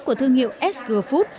của thương hiệu sg food